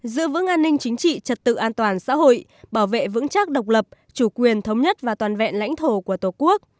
giữ vững an ninh chính trị trật tự an toàn xã hội bảo vệ vững chắc độc lập chủ quyền thống nhất và toàn vẹn lãnh thổ của tổ quốc